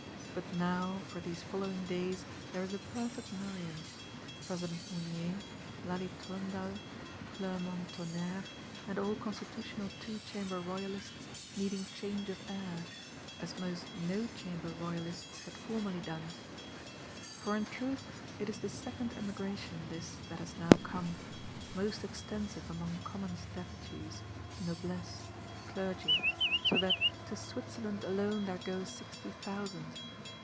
But now, for these following days, there is a perfect murrian: President Mounier, Lally Tollendal, Clermont Tonnere, and all Constitutional Two Chamber Royalists needing change of air; as most No Chamber Royalists had formerly done. For, in truth, it is the second Emigration this that has now come; most extensive among Commons Deputies, Noblesse, Clergy: so that "to Switzerland alone there go sixty thousand."